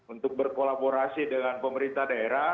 untuk berkolaborasi dengan pemerintah daerah